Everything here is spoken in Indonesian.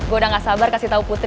gue udah gak sabar kasih tau putri